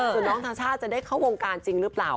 ส่วนน้องชาช่าจะได้เข้าวงการจริงหรือเปล่า